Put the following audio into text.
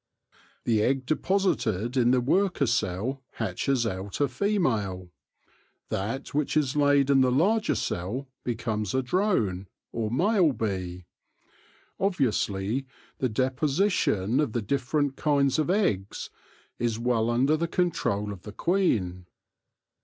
The egg deposited in the worker cell hatches out a female ; that which is laid in the larger cell becomes a drone, or male bee. Obviously the deposition of the different kinds of eggs is well under the control of the queen.